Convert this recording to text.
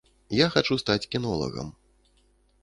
Я хачу стаць кінолагам.